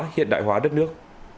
hiện đại hóa đất nước